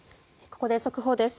ここで速報です。